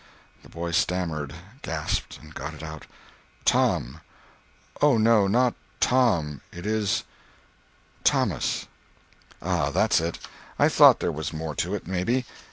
The boy stammered, gasped, and got it out: "Tom." "Oh, no, not Tom—it is—" "Thomas." "Ah, that's it. I thought there was more to it, maybe.